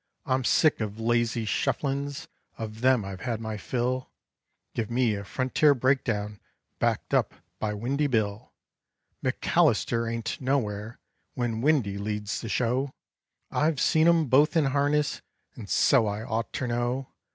I'm sick of lazy shufflin's, of them I've had my fill, Give me a frontier break down backed up by Windy Bill. McAllister ain't nowhere, when Windy leads the show; I've seen 'em both in harness and so I ought ter know.